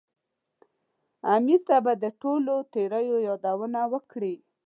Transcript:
امیر ته به د ټولو تېریو یادونه وکړي.